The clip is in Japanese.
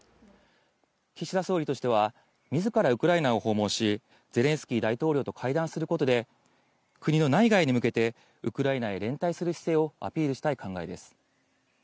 岸田総理としては自らウクライナを訪問し、ゼレンスキー大統領と会談することで、国の内外に向けてウクライナへ連帯する姿勢をアピールしたい考えです。